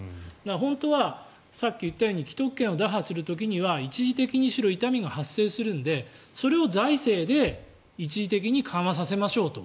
本当はさっき言ったように既得権を打破する時には一時的にしろ痛みが発生するのでそれを財政で一時的に緩和させましょうと。